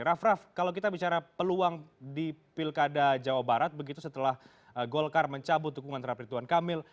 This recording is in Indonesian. raff raff kalau kita bicara peluang di pilkada jawa barat begitu setelah golkar mencabut dukungan terhadap rituan kamil